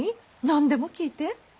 何でも聞いて。